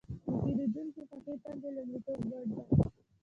د پیرودونکي خوښي تل د لومړیتوب وړ ده.